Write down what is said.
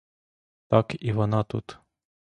Так і вона тут!